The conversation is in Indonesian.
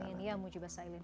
amin ya robbal alamin